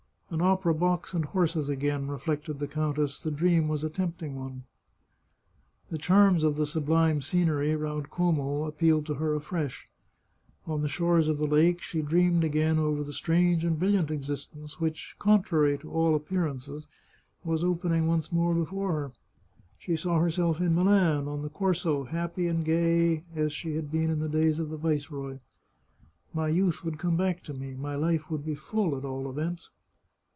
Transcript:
" An opera box and horses again," reflected the countess. The dream was a tempting one. The charms of the sublime scenery round Como ap pealed to her afresh. On the shores of the lake she dreamed again over the strange and brilliant existence which, con trary to all appearances, was opening once more before her. She saw herself in Milan, on the Corso, happy and gay as she had been in the days of the viceroy. " My youth would come back to me. My life would be full, at all events."